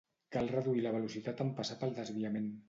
Cal reduir la velocitat en passar pel desviament